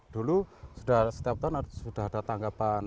dulu sudah setiap tahun sudah ada tanggapan